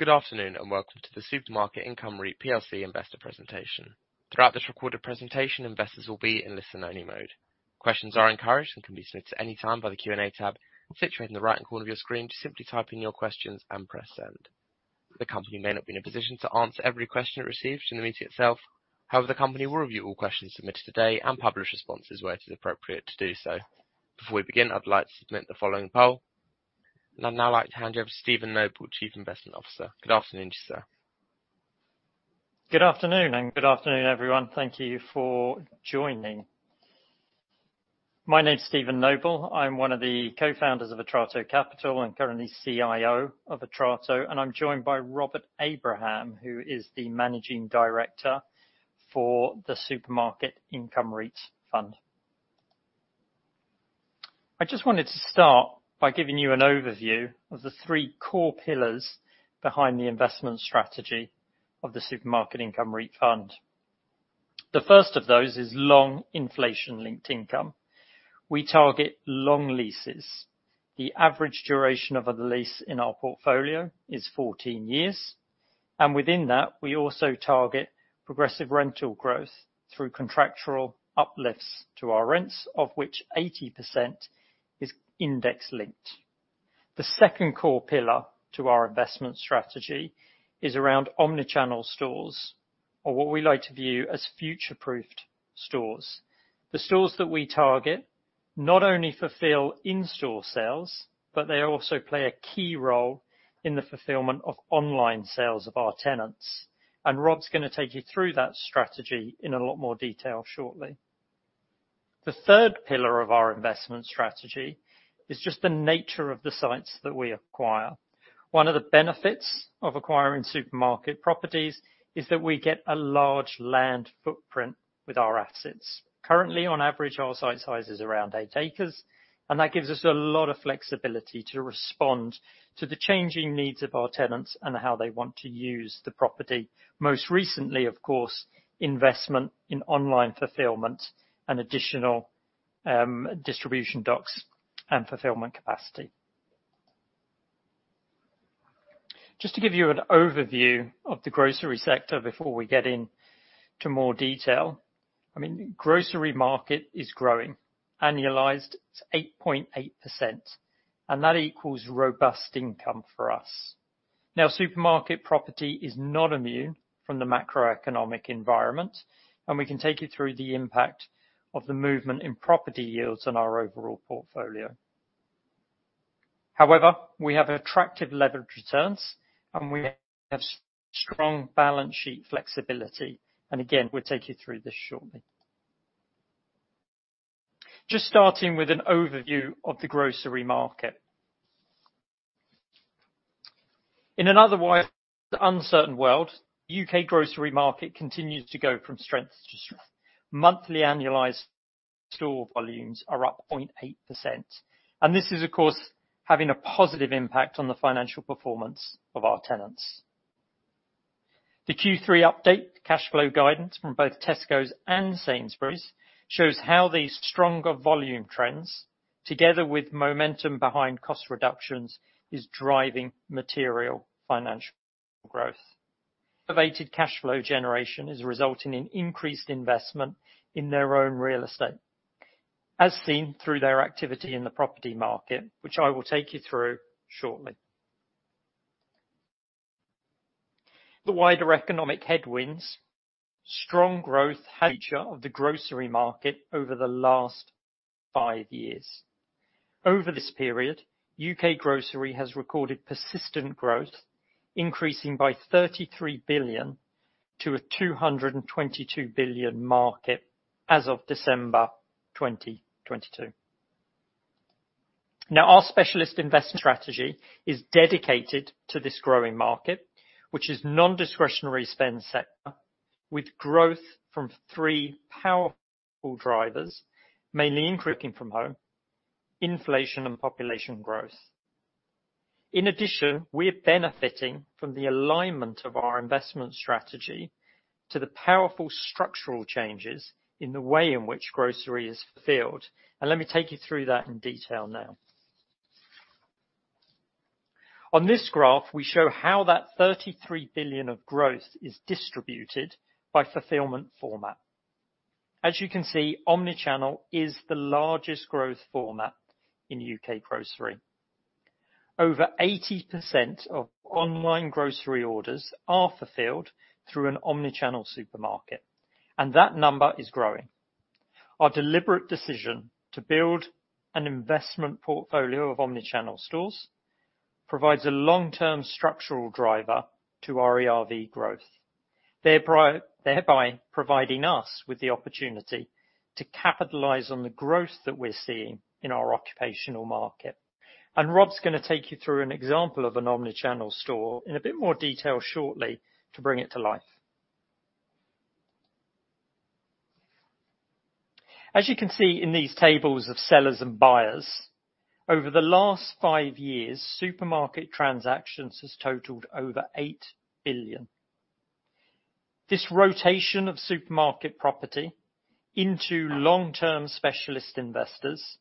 Good afternoon, welcome to the Supermarket Income REIT plc Investor Presentation. Throughout this recorded presentation, investors will be in listen only mode. Questions are encouraged and can be submitted at any time by the Q&A tab situated in the right corner of your screen. Just simply type in your questions and press Send. The company may not be in a position to answer every question it receives during the meeting itself. However, the company will review all questions submitted today and publish responses where it is appropriate to do so. Before we begin, I'd like to submit the following poll. I'd now like to hand you over to Steven Noble, Chief Investment Officer. Good afternoon to you, sir. Good afternoon, good afternoon, everyone. Thank you for joining. My name is Steven Noble. I'm one of the co-founders of Atrato Capital and currently CIO of Atrato. I'm joined by Robert Abraham, who is the Managing Director for the Supermarket Income REIT Fund. I just wanted to start by giving you an overview of the three core pillars behind the investment strategy of the Supermarket Income REIT Fund. The first of those is long inflation-linked income. We target long leases. The average duration of a lease in our portfolio is 14 years. Within that, we also target progressive rental growth through contractual uplifts to our rents, of which 80% is index-linked. The second core pillar to our investment strategy is around omni-channel stores or what we like to view as future-proofed stores. The stores that we target not only fulfill in-store sales, but they also play a key role in the fulfillment of online sales of our tenants. Rob's gonna take you through that strategy in a lot more detail shortly. The third pillar of our investment strategy is just the nature of the sites that we acquire. One of the benefits of acquiring supermarket properties is that we get a large land footprint with our assets. Currently, on average, our site size is around 8 acres, and that gives us a lot of flexibility to respond to the changing needs of our tenants and how they want to use the property. Most recently, of course, investment in online fulfillment and additional distribution docks and fulfillment capacity. Just to give you an overview of the grocery sector before we get into more detail. I mean, grocery market is growing. Annualized, it's 8.8%. That equals robust income for us. Now, Supermarket property is not immune from the macroeconomic environment, and we can take you through the impact of the movement in property yields on our overall portfolio. However, we have attractive leverage returns, and we have strong balance sheet flexibility. Again, we'll take you through this shortly. Just starting with an overview of the grocery market. In an otherwise uncertain world, U.K. grocery market continues to go from strength to strength. Monthly annualized store volumes are up 0.8%, and this is, of course, having a positive impact on the financial performance of our tenants. The Q3 update cash flow guidance from both Tesco and Sainsbury's shows how these stronger volume trends, together with momentum behind cost reductions, is driving material financial growth. Elevated cash flow generation is resulting in increased investment in their own real estate as seen through their activity in the property market, which I will take you through shortly. The wider economic headwinds, strong growth feature of the grocery market over the last 5 years. Over this period, U.K. grocery has recorded persistent growth, increasing by 33 billion to a 222 billion market as of December 2022. Now, our specialist investment strategy is dedicated to this growing market, which is non-discretionary spend sector with growth from three powerful drivers, mainly including from home, inflation, and population growth. In addition, we are benefiting from the alignment of our investment strategy to the powerful structural changes in the way in which grocery is filled. Let me take you through that in detail now. On this graph, we show how that 33 billion of growth is distributed by fulfillment format. As you can see, omni-channel is the largest growth format in UK grocery. Over 80% of online grocery orders are fulfilled through an omni-channel supermarket, and that number is growing. Our deliberate decision to build an investment portfolio of omni-channel stores provides a long-term structural driver to our ERV growth, thereby providing us with the opportunity to capitalize on the growth that we're seeing in our occupational market. Rob's gonna take you through an example of an omni-channel store in a bit more detail shortly to bring it to life. As you can see in these tables of sellers and buyers, over the last five years, supermarket transactions has totaled over 8 billion. This rotation of supermarket property into long-term specialist investors,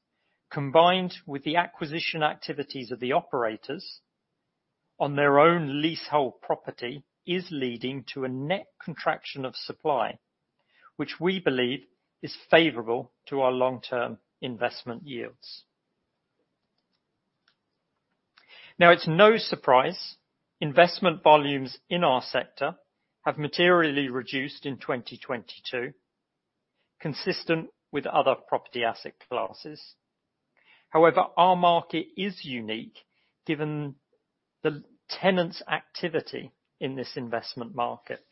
combined with the acquisition activities of the operators on their own leasehold property is leading to a net contraction of supply, which we believe is favorable to our long-term investment yields. It's no surprise investment volumes in our sector have materially reduced in 2022, consistent with other property asset classes. However, our market is unique given the tenants' activity in this investment market.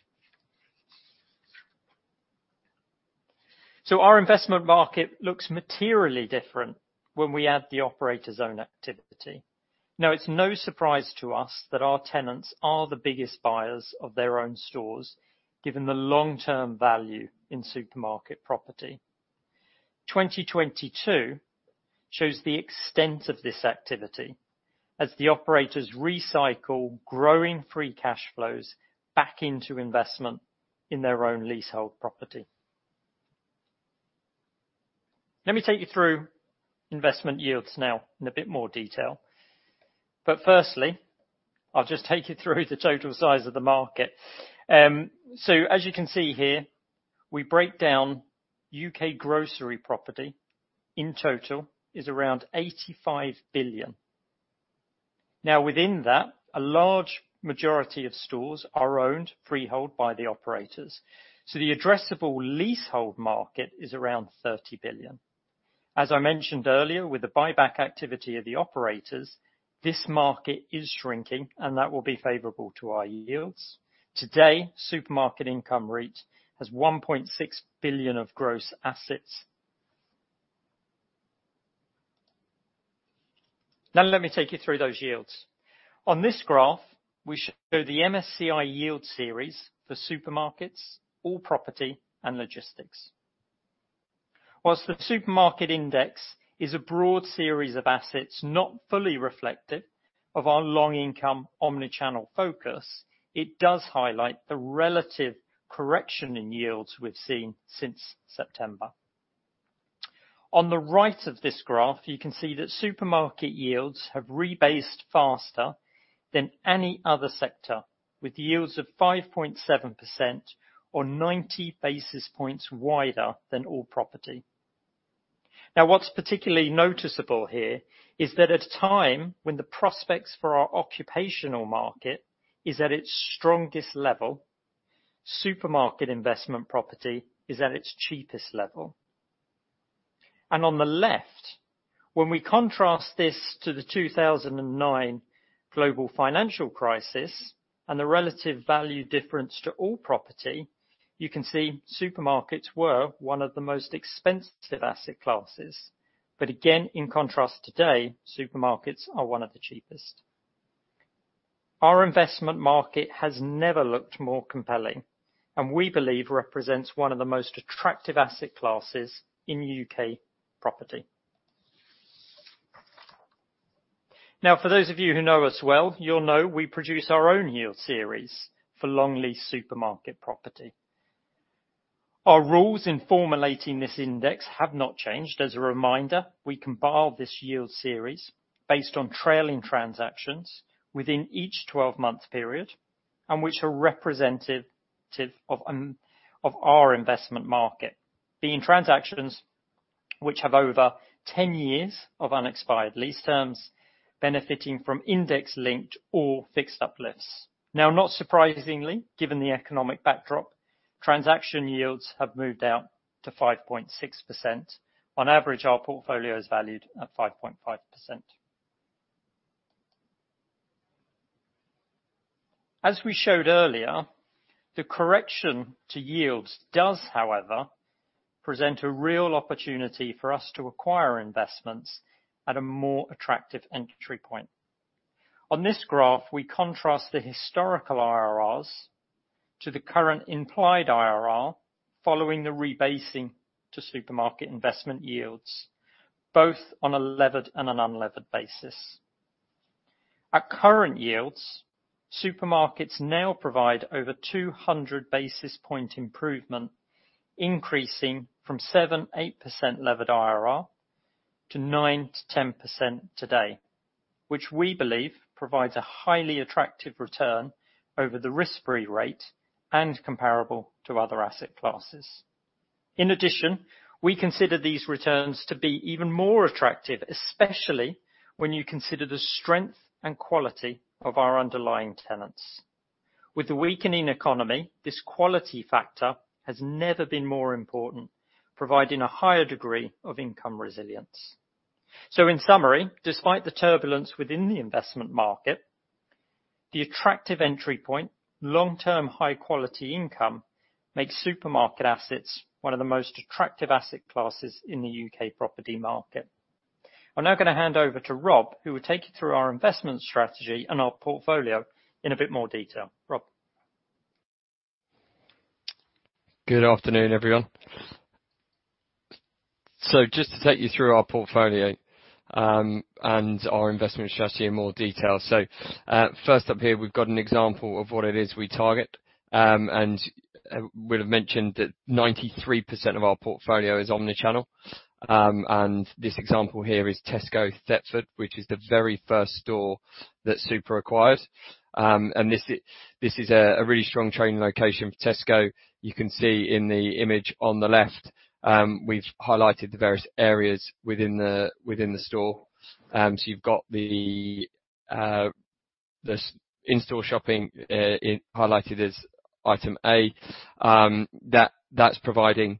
Our investment market looks materially different when we add the operator's own activity. It's no surprise to us that our tenants are the biggest buyers of their own stores, given the long-term value in supermarket property. 2022 shows the extent of this activity as the operators recycle growing free cash flows back into investment in their own leasehold property. Let me take you through investment yields now in a bit more detail. Firstly, I'll just take you through the total size of the market. As you can see here, we break down UK grocery property in total is around 85 billion. Now, within that, a large majority of stores are owned freehold by the operators, so the addressable leasehold market is around 30 billion. As I mentioned earlier, with the buyback activity of the operators, this market is shrinking. That will be favorable to our yields. Today, Supermarket Income REIT has 1.6 billion of gross assets. Now, let me take you through those yields. On this graph, we show the MSCI yield series for supermarkets, all property, and logistics. Whilst the supermarket index is a broad series of assets, not fully reflective of our long income omni-channel focus, it does highlight the relative correction in yields we've seen since September. On the right of this graph, you can see that supermarket yields have rebased faster than any other sector, with yields of 5.7% or 90 basis points wider than all property. What's particularly noticeable here is that at a time when the prospects for our occupational market is at its strongest level, supermarket investment property is at its cheapest level. On the left, when we contrast this to the 2009 global financial crisis and the relative value difference to all property, you can see supermarkets were one of the most expensive asset classes. Again, in contrast today, supermarkets are one of the cheapest. Our investment market has never looked more compelling, and we believe represents one of the most attractive asset classes in UK property. For those of you who know us well, you'll know we produce our own yield series for long lease supermarket property. Our rules in formulating this index have not changed. As a reminder, we compile this yield series based on trailing transactions within each 12-month period and which are representative of our investment market. Being transactions which have over 10 years of unexpired lease terms benefiting from index linked or fixed uplifts. Not surprisingly, given the economic backdrop, transaction yields have moved out to 5.6%. On average, our portfolio is valued at 5.5%. As we showed earlier, the correction to yields does, however, present a real opportunity for us to acquire investments at a more attractive entry point. On this graph, we contrast the historical IRRs to the current implied IRR following the rebasing to supermarket investment yields, both on a levered and an unlevered basis. At current yields, supermarkets now provide over 200 basis point improvement, increasing from 7%-8% levered IRR to 9%-10% today, which we believe provides a highly attractive return over the risk-free rate and comparable to other asset classes. In addition, we consider these returns to be even more attractive, especially when you consider the strength and quality of our underlying tenants. With the weakening economy, this quality factor has never been more important, providing a higher degree of income resilience. In summary, despite the turbulence within the investment market, the attractive entry point, long-term high-quality income makes supermarket assets one of the most attractive asset classes in the U.K. property market. I'm now gonna hand over to Rob, who will take you through our investment strategy and our portfolio in a bit more detail. Rob? Good afternoon, everyone. Just to take you through our portfolio, and our investment strategy in more detail. First up here, we've got an example of what it is we target, and we'd have mentioned that 93% of our portfolio is omni-channel. This example here is Tesco Thetford, which is the very first store that Supra acquired. This is a really strong trading location for Tesco. You can see in the image on the left, we've highlighted the various areas within the store. You've got the in-store shopping highlighted as Item A, that's providing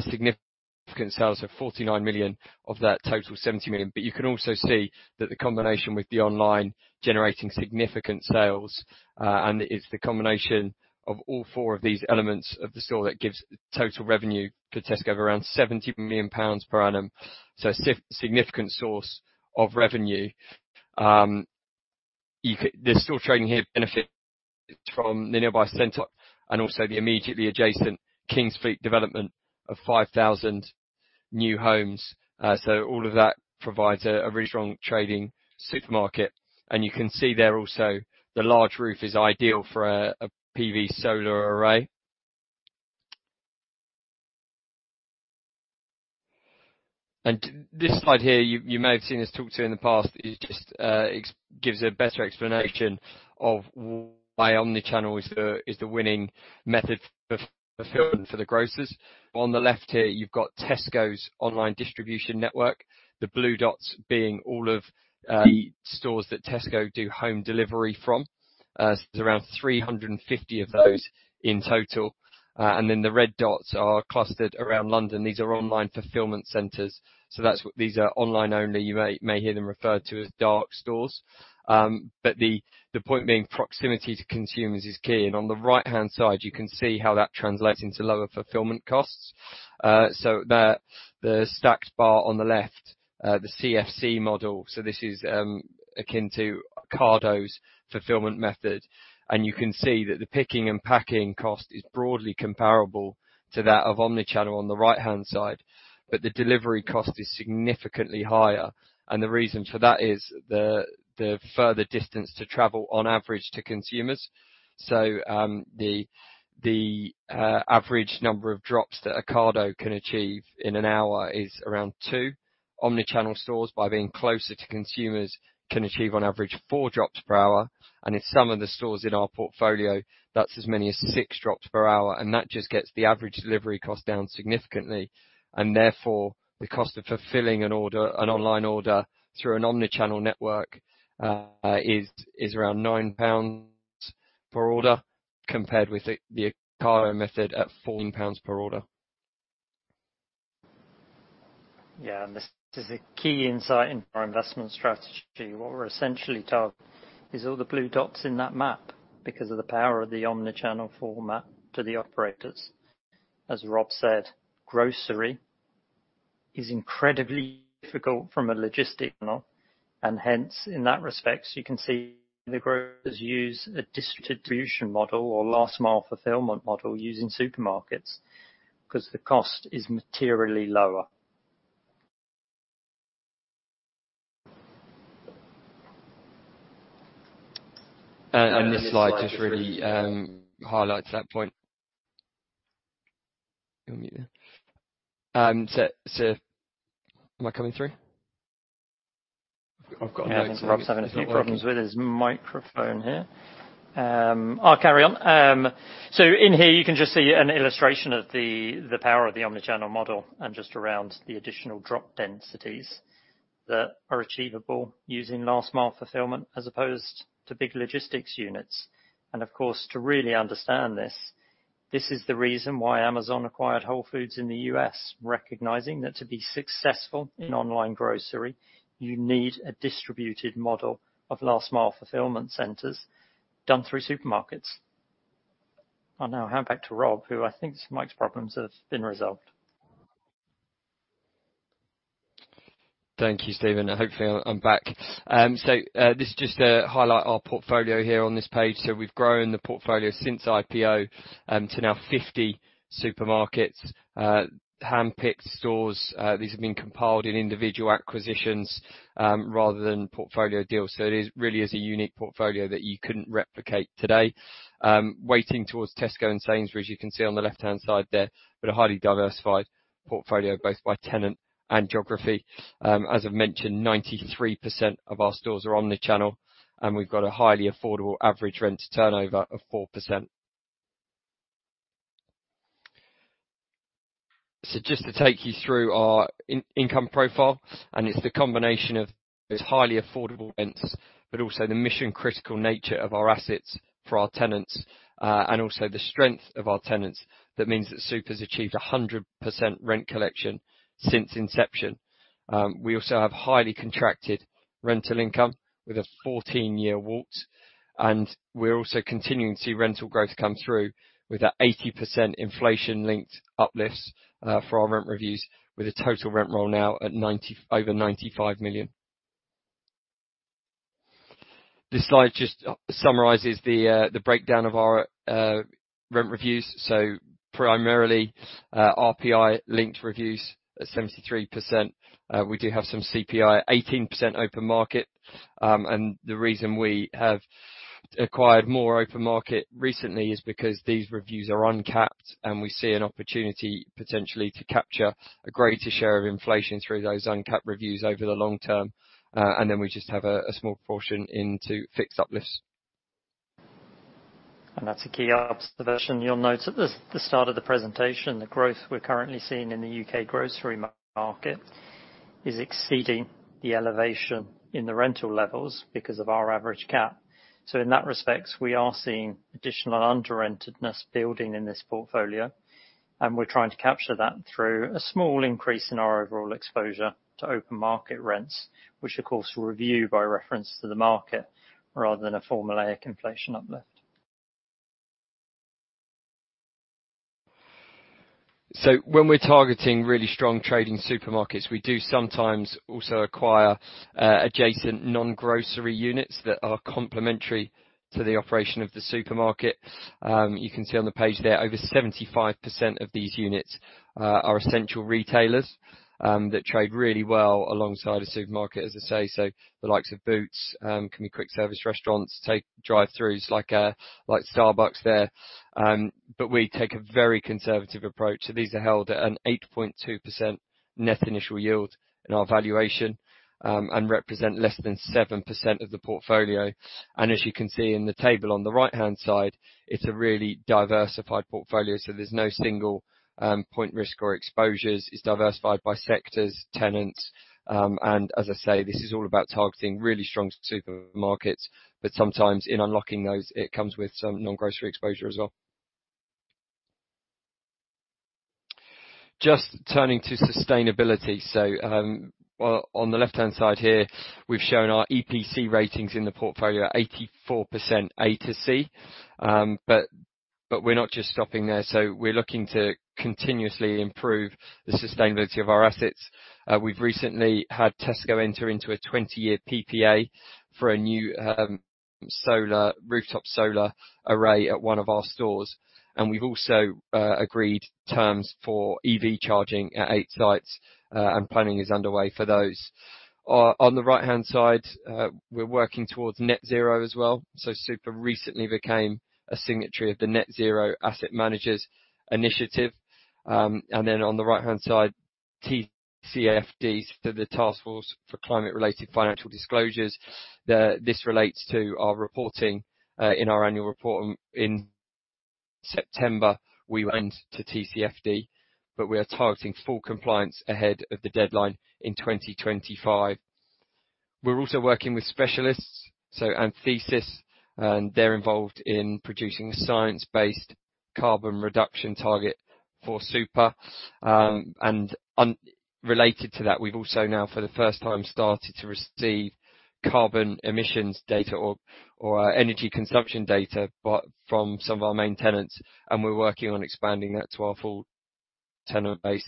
significant sales of 49 million of that total 70 million. You can also see that the combination with the online generating significant sales, it's the combination of all four of these elements of the store that gives total revenue for Tesco of around 70 million pounds per annum. Significant source of revenue. The store trading here benefits from the nearby center and also the immediately adjacent Kingsfleet development of 5,000 new homes. All of that provides a very strong trading supermarket. You can see there also the large roof is ideal for a PV solar array. This slide here, you may have seen us talk to in the past. It just gives a better explanation of why omni-channel is the winning method of fulfillment for the grocers. On the left here, you've got Tesco's online distribution network, the blue dots being all of the stores that Tesco do home delivery from. There's around 350 of those in total. The red dots are clustered around London. These are online fulfillment centers. These are online only. You may hear them referred to as dark stores. The point being, proximity to consumers is key. On the right-hand side, you can see how that translates into lower fulfillment costs. The stacked bar on the left, the CFC model. This is akin to Ocado's fulfillment method. You can see that the picking and packing cost is broadly comparable to that of omni-channel on the right-hand side, but the delivery cost is significantly higher, and the reason for that is the further distance to travel on average to consumers. The average number of drops that Ocado can achieve in an hour is around 2. Omni-channel stores, by being closer to consumers, can achieve, on average, 4 drops per hour. In some of the stores in our portfolio, that's as many as 6 drops per hour, and that just gets the average delivery cost down significantly. Therefore, the cost of fulfilling an order, an online order through an omni-channel network, is around 9 pounds per order, compared with the Ocado method at 14 pounds per order. Yeah. This is a key insight in our investment strategy. What we're essentially targeting is all the blue dots in that map because of the power of the omni-channel format to the operators. As Rob said, grocery is incredibly difficult from a logistic model, and hence, in that respect, you can see the grocers use a distribution model or last mile fulfillment model using supermarkets because the cost is materially lower. This slide just really highlights that point. You on mute there. Am I coming through? I've got no- Yeah. Looks Rob's having a few problems with his microphone here. I'll carry on. In here, you can just see an illustration of the power of the omni-channel model and just around the additional drop densities that are achievable using last mile fulfillment as opposed to big logistics units. Of course, to really understand this is the reason why Amazon acquired Whole Foods in the U.S., recognizing that to be successful in online grocery, you need a distributed model of last mile fulfillment centers done through supermarkets. I'll now hand back to Rob, who I think Mike's problems have been resolved. Thank you, Steven, and hopefully I'm back. This is just to highlight our portfolio here on this page. We've grown the portfolio since IPO, to now 50 supermarkets, handpicked stores. These have been compiled in individual acquisitions, rather than portfolio deals. It is really is a unique portfolio that you couldn't replicate today. Weighting towards Tesco and Sainsbury's, you can see on the left-hand side there, but a highly diversified portfolio, both by tenant and geography. As I've mentioned, 93% of our stores are omni-channel, and we've got a highly affordable average rent to turnover of 4%. Just to take you through our in-income profile, and it's the combination of those highly affordable rents, but also the mission-critical nature of our assets for our tenants, and also the strength of our tenants. That means that Supra's achieved 100% rent collection since inception. We also have highly contracted rental income with a 14-year WALT, and we're also continuing to see rental growth come through with that 80% inflation-linked uplifts for our rent reviews, with a total rent roll now at over 95 million. This slide just summarizes the breakdown of our rent reviews. Primarily, RPI-linked reviews at 73%. We do have some CPI, 18% open market. The reason we have acquired more open market recently is because these reviews are uncapped and we see an opportunity potentially to capture a greater share of inflation through those uncapped reviews over the long term. We just have a small proportion into fixed uplifts. That's a key observation. You'll note at the start of the presentation, the growth we're currently seeing in the U.K. grocery market is exceeding the elevation in the rental levels because of our average cap. In that respect, we are seeing additional under-rentedness building in this portfolio, and we're trying to capture that through a small increase in our overall exposure to open market rents, which of course will review by reference to the market rather than a formulaic inflation uplift. When we're targeting really strong trading supermarkets, we do sometimes also acquire adjacent non-grocery units that are complementary to the operation of the supermarket. You can see on the page there, over 75% of these units are essential retailers that trade really well alongside a supermarket, as I say. The likes of Boots can be quick service restaurants, take drive-throughs like Starbucks there. We take a very conservative approach. These are held at an 8.2% net initial yield in our valuation and represent less than 7% of the portfolio. As you can see in the table on the right-hand side, it's a really diversified portfolio, there's no single point risk or exposures. It's diversified by sectors, tenants. As I say, this is all about targeting really strong supermarkets, but sometimes in unlocking those, it comes with some non-grocery exposure as well. Just turning to sustainability. Well, on the left-hand side here, we've shown our EPC ratings in the portfolio at 84% A to C. But we're not just stopping there. We're looking to continuously improve the sustainability of our assets. We've recently had Tesco enter into a 20-year PPA for a new rooftop solar array at one of our stores. We've also agreed terms for EV charging at 8 sites. Planning is underway for those. On the right-hand side, we're working towards net zero as well. SUPER recently became a signatory of the Net Zero Asset Managers initiative. On the right-hand side, TCFDs, so the Task Force on Climate-related Financial Disclosures. This relates to our reporting, in our annual report in September, we went to TCFD, but we are targeting full compliance ahead of the deadline in 2025. We're also working with specialists, so Anthesis, and they're involved in producing a science-based carbon reduction target for SUPER. Related to that, we've also now, for the first time, started to receive carbon emissions data or energy consumption data, but from some of our main tenants, and we're working on expanding that to our full tenant base.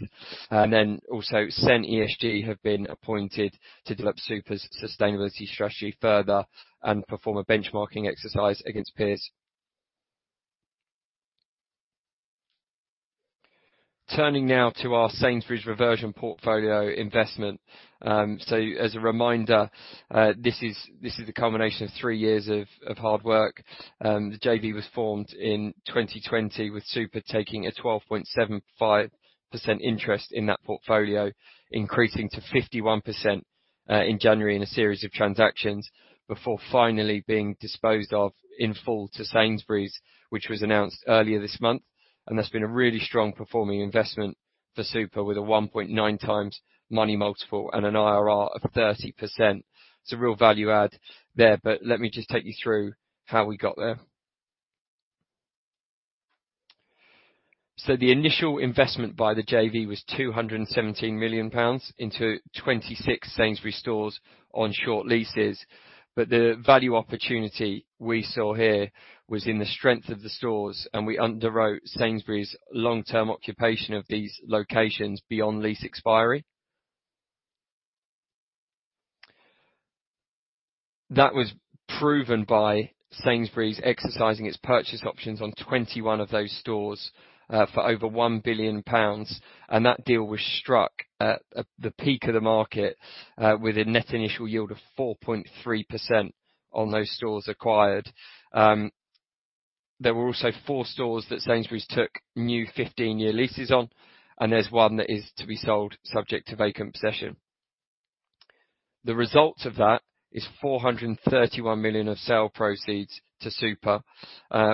Also, SEN ESG have been appointed to develop SUPER's sustainability strategy further and perform a benchmarking exercise against peers. Turning now to our Sainsbury's Reversion Portfolio investment. As a reminder, this is the culmination of 3 years of hard work. The JV was formed in 2020, with SUPER taking a 12.75% interest in that portfolio, increasing to 51% in January in a series of transactions, before finally being disposed of in full to Sainsbury's, which was announced earlier this month. That's been a really strong performing investment for SUPER with a 1.9x money multiple and an IRR of 30%. It's a real value add there, let me just take you through how we got there. The initial investment by the JV was 217 million pounds into 26 Sainsbury's stores on short leases. The value opportunity we saw here was in the strength of the stores, and we underwrote Sainsbury's long-term occupation of these locations beyond lease expiry. That was proven by Sainsbury's exercising its purchase options on 21 of those stores, for over 1 billion pounds, and that deal was struck at the peak of the market, with a net initial yield of 4.3% on those stores acquired. There were also four stores that Sainsbury's took new 15-year leases on, and there's one that is to be sold subject to vacant possession. The result of that is 431 million of sale proceeds to SUPER.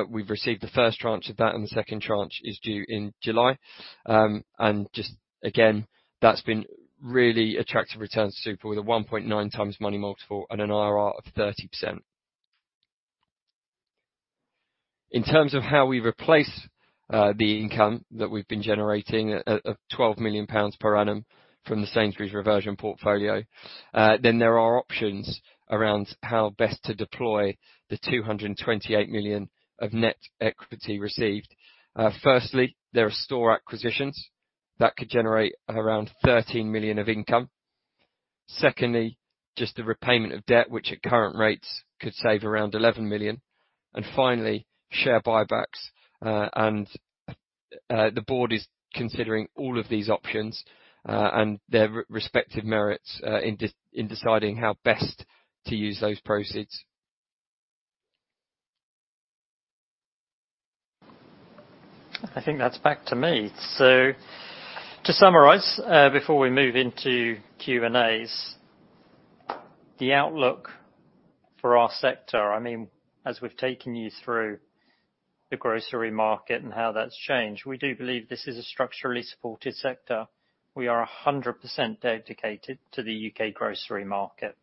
We've received the first tranche of that, and the second tranche is due in July. Just again, that's been really attractive return to SUPER with a 1.9x money multiple and an IRR of 30%. In terms of how we replace the income that we've been generating at 12 million pounds per annum from the Sainsbury's Reversion Portfolio, then there are options around how best to deploy the 228 million of net equity received. Firstly, there are store acquisitions that could generate around 13 million of income. Secondly, just the repayment of debt, which at current rates could save around 11 million. Finally, share buybacks. The board is considering all of these options, and their respective merits, in deciding how best to use those proceeds. I think that's back to me. To summarize, before we move into Q&As, the outlook for our sector, I mean, as we've taken you through the grocery market and how that's changed, we do believe this is a structurally supported sector. We are 100% dedicated to the U.K. grocery market.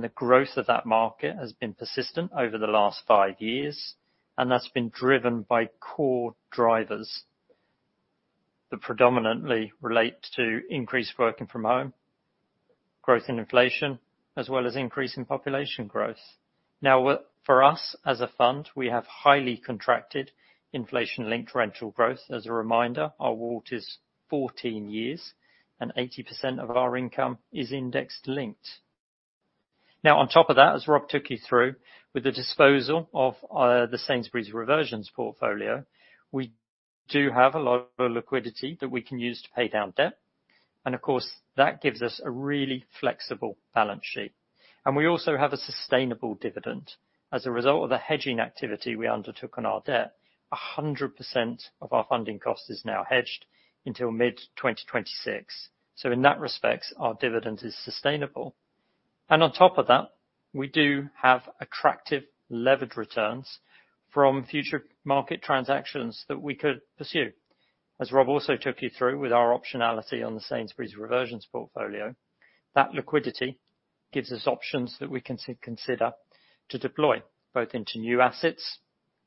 The growth of that market has been persistent over the last five years, and that's been driven by core drivers that predominantly relate to increased working from home, growth in inflation, as well as increase in population growth. For us, as a fund, we have highly contracted inflation-linked rental growth. As a reminder, our WALT is 14 years. 80% of our income is index-linked. On top of that, as Rob took you through, with the disposal of the Sainsbury's Reversion Portfolio, we do have a lot of liquidity that we can use to pay down debt, and of course, that gives us a really flexible balance sheet. We also have a sustainable dividend. As a result of the hedging activity we undertook on our debt, 100% of our funding cost is now hedged until mid-2026. In that respect, our dividend is sustainable. On top of that, we do have attractive levered returns from future market transactions that we could pursue. As Rob also took you through with our optionality on the Sainsbury's Reversion Portfolio, that liquidity gives us options that we can consider to deploy, both into new assets,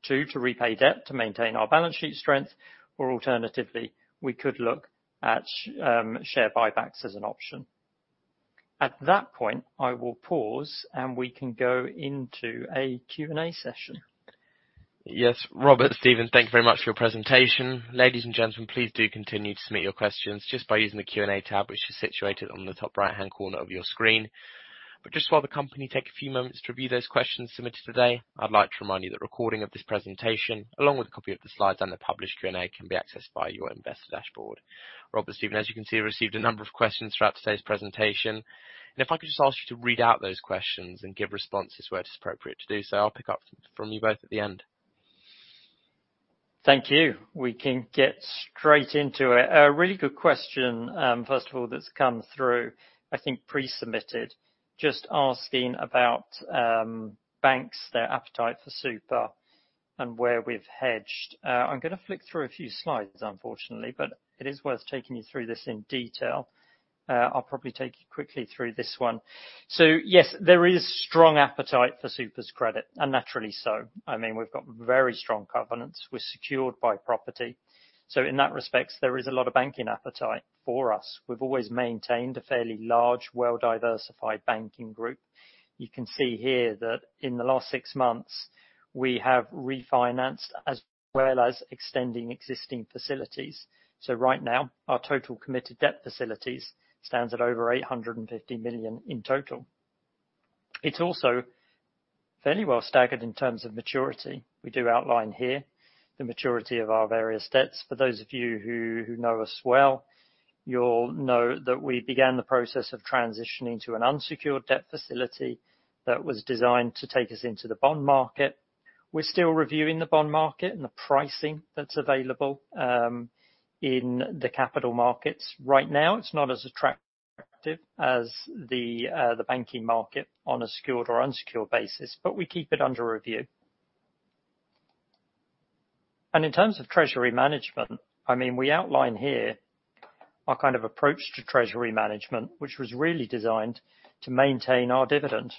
two, to repay debt to maintain our balance sheet strength, or alternatively, we could look at share buybacks as an option. At that point, I will pause, and we can go into a Q&A session. Yes. Robert, Stephen, thank you very much for your presentation. Ladies and gentlemen, please do continue to submit your questions just by using the Q&A tab, which is situated on the top right-hand corner of your screen. Just while the company take a few moments to review those questions submitted today, I'd like to remind you that recording of this presentation, along with a copy of the slides and the published Q&A, can be accessed via your investor dashboard. Robert, Stephen, as you can see, received a number of questions throughout today's presentation. If I could just ask you to read out those questions and give responses where it's appropriate to do so, I'll pick up from you both at the end. Thank you. We can get straight into it. A really good question, first of all, that's come through, I think pre-submitted, just asking about banks, their appetite for Super and where we've hedged. I'm gonna flick through a few slides, unfortunately, it is worth taking you through this in detail. I'll probably take you quickly through this one. Yes, there is strong appetite for Super's credit, and naturally so. I mean, we've got very strong covenants. We're secured by property. In that respect, there is a lot of banking appetite for us. We've always maintained a fairly large, well-diversified banking group. You can see here that in the last 6 months, we have refinanced as well as extending existing facilities. Right now, our total committed debt facilities stands at over 850 million in total. It's also fairly well staggered in terms of maturity. We do outline here the maturity of our various debts. For those of you who know us well, you'll know that we began the process of transitioning to an unsecured debt facility that was designed to take us into the bond market. We're still reviewing the bond market and the pricing that's available in the capital markets. Right now, it's not as attractive as the banking market on a secured or unsecured basis, but we keep it under review. In terms of treasury management, I mean, we outline here our kind of approach to treasury management, which was really designed to maintain our dividend.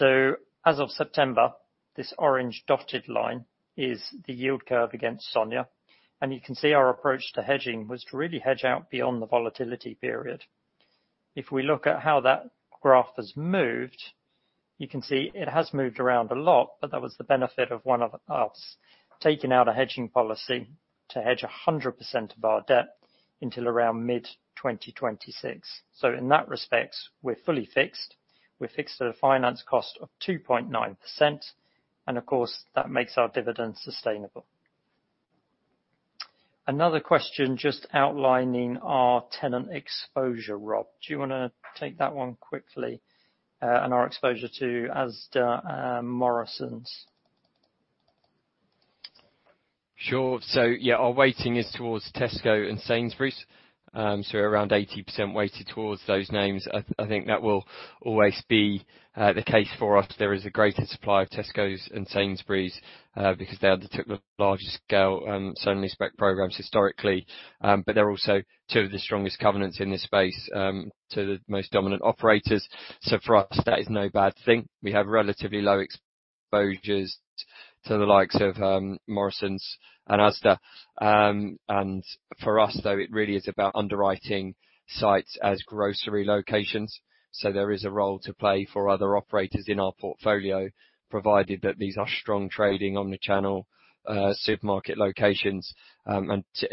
As of September, this orange dotted line is the yield curve against SONIA, and you can see our approach to hedging was to really hedge out beyond the volatility period. If we look at how that graph has moved, you can see it has moved around a lot. That was the benefit of one of us taking out a hedging policy to hedge 100% of our debt until around mid-2026. In that respect, we're fully fixed. We're fixed at a finance cost of 2.9%, and of course, that makes our dividend sustainable. Another question just outlining our tenant exposure. Rob, do you wanna take that one quickly, and our exposure to Asda and Morrisons? Sure. Yeah, our weighting is towards Tesco and Sainsbury's, so around 80% weighted towards those names. I think that will always be the case for us. There is a greater supply of Tesco's and Sainsbury's because they undertook the largest scale, certainly spec programs historically, but they're also two of the strongest covenants in this space, two of the most dominant operators. For us, that is no bad thing. We have relatively low exposures to the likes of Morrisons and Asda. For us, though, it really is about underwriting sites as grocery locations. There is a role to play for other operators in our portfolio, provided that these are strong trading omni-channel supermarket locations.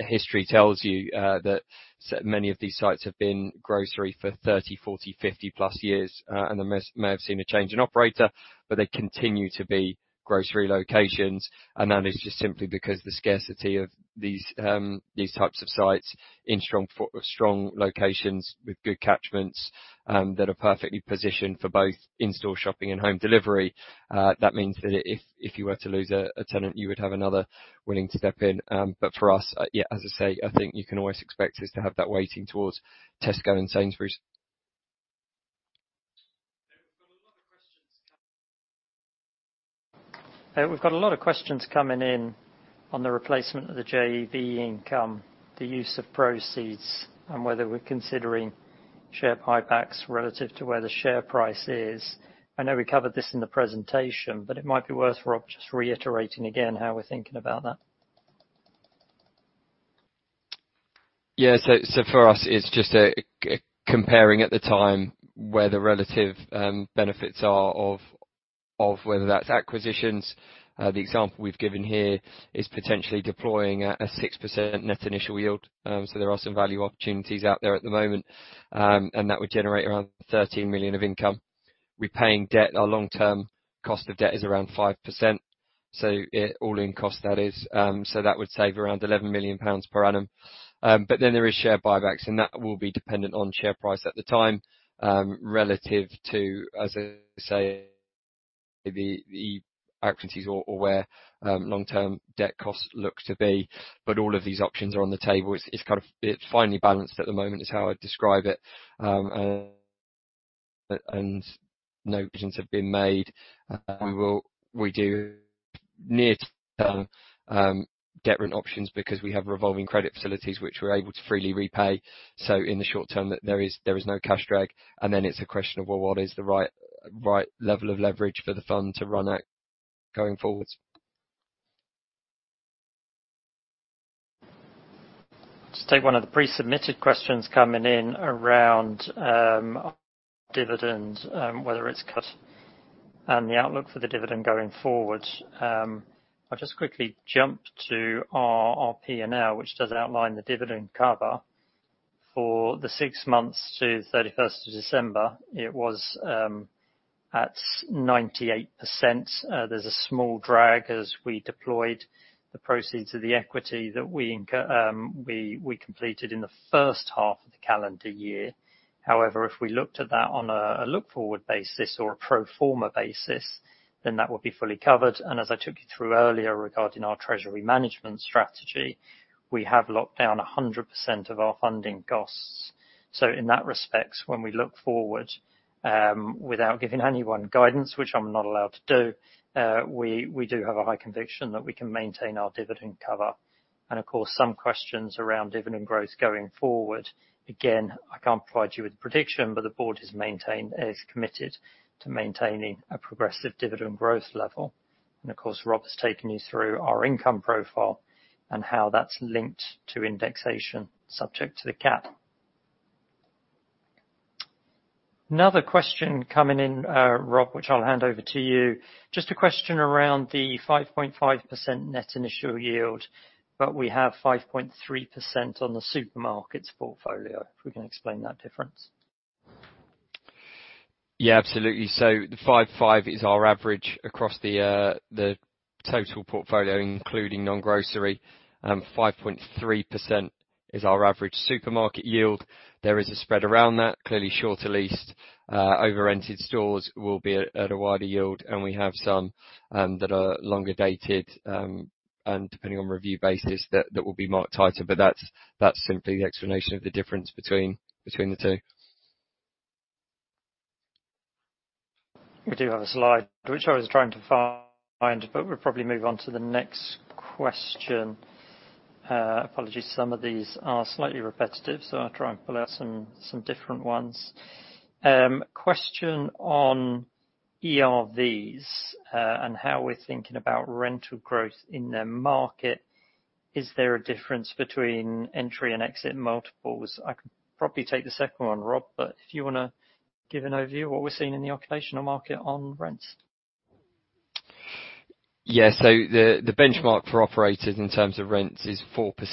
History tells you that many of these sites have been grocery for 30, 40, 50 plus years, they may have seen a change in operator, but they continue to be grocery locations. That is just simply because the scarcity of these types of sites in strong locations with good catchments that are perfectly positioned for both in-store shopping and home delivery. That means that if you were to lose a tenant, you would have another willing to step in. For us, yeah, as I say, I think you can always expect us to have that weighting towards Tesco and Sainsbury's. Okay. We've got a lot of questions coming in on the replacement of the JV income, the use of proceeds, and whether we're considering share buybacks relative to where the share price is. I know we covered this in the presentation, it might be worth, Rob, just reiterating again how we're thinking about that. Yeah. For us, it's just comparing at the time where the relative benefits are of whether that's acquisitions. The example we've given here is potentially deploying a 6% net initial yield. There are some value opportunities out there at the moment. That would generate around 13 million of income. Repaying debt, our long-term cost of debt is around 5%, so all-in cost, that is. That would save around 11 million pounds per annum. Then there is share buybacks, and that will be dependent on share price at the time, relative to, as I say, the occupancies or where long-term debt costs look to be. All of these options are on the table. It's kind of finely balanced at the moment, is how I'd describe it. No decisions have been made. We do near-term debt rent options because we have revolving credit facilities which we're able to freely repay. In the short term, there is no cash drag. It's a question of, well, what is the right level of leverage for the fund to run at going forwards. Just take one of the pre-submitted questions coming in around dividends, whether it's cut and the outlook for the dividend going forward. I'll just quickly jump to our P&L, which does outline the dividend cover. For the six months to thirty-first of December, it was at 98%. There's a small drag as we deployed the proceeds of the equity that we completed in the first half of the calendar year. If we looked at that on a look-forward basis or a pro forma basis, then that would be fully covered. As I took you through earlier regarding our treasury management strategy, we have locked down 100% of our funding costs. In that respect, when we look forward, without giving anyone guidance, which I'm not allowed to do, we do have a high conviction that we can maintain our dividend cover. Of course, some questions around dividend growth going forward. Again, I can't provide you with a prediction, but the board has maintained and is committed to maintaining a progressive dividend growth level. Of course, Rob has taken you through our income profile and how that's linked to indexation subject to the cap. Another question coming in, Rob, which I'll hand over to you. Just a question around the 5.5% net initial yield, but we have 5.3% on the supermarkets portfolio. If we can explain that difference? Yeah, absolutely. The 5.5 is our average across the total portfolio, including non-grocery. 5.3% is our average supermarket yield. There is a spread around that. Clearly shorter leased, over-rented stores will be at a wider yield, and we have some that are longer dated, and depending on review basis, that will be marked tighter. That's simply the explanation of the difference between the two. We do have a slide which I was trying to find, but we'll probably move on to the next question. Apologies. Some of these are slightly repetitive, so I'll try and pull out some different ones. Question on ERVs, and how we're thinking about rental growth in their market. Is there a difference between entry and exit multiples? I could probably take the second one, Rob, but if you wanna give an overview of what we're seeing in the occupational market on rents. Yeah. The benchmark for operators in terms of rents is 4%.